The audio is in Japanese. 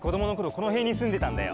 このへんにすんでたんだよ。